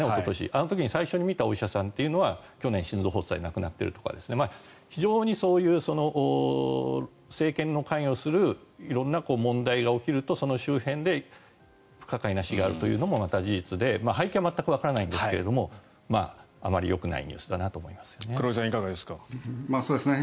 あの時に最初に診たお医者さんは去年、心臓発作で亡くなっているとか非常にそういう、政権の関与する色んな問題が起きるとその周辺で不可解な死があるというのもまた事実で背景は全くわからないんですがあまりよくないニュースだなと思いますね。